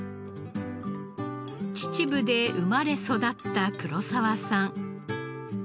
秩父で生まれ育った黒澤さん。